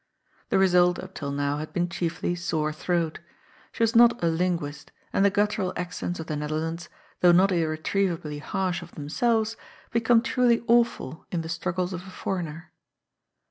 The result up till now had been chiefly sore throat. She was not a linguist; and the guttural accents of the Netherlands, though not irretrievably harsh of themselves, become truly awful in the struggles of a foreigner.